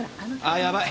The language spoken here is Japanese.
あやばい。